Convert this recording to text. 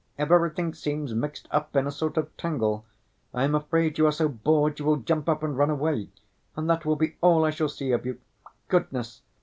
Everything seems mixed up in a sort of tangle. I am afraid you are so bored you will jump up and run away, and that will be all I shall see of you. Goodness!